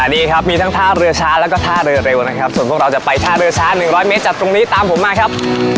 นี่ครับมีทั้งท่าเรือช้าแล้วก็ท่าเรือเร็วนะครับส่วนพวกเราจะไปท่าเรือช้า๑๐๐เมตรจากตรงนี้ตามผมมาครับ